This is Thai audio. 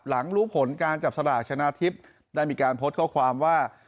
รู้ผลการจับสลากชนะทิพย์ได้มีการโพสต์ข้อความว่า